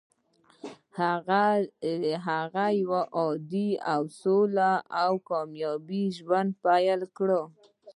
هغه يو عادي او سوکاله او کامياب ژوند پيل کړ.